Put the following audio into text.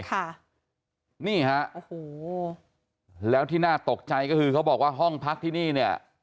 ค่ะนี่ฮะโอ้โหแล้วที่น่าตกใจก็คือเขาบอกว่าห้องพักที่นี่เนี่ย